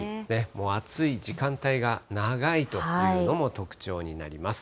もう暑い時間帯が長いというのも特徴になります。